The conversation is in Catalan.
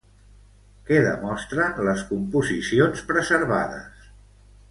Què demostren les composicions preservades?